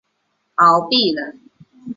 陶弼人。